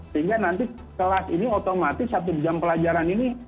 sehingga nanti kelas ini otomatis satu jam pelajaran ini